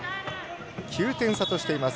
９点差としています